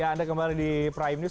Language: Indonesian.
ya anda kembali di prime news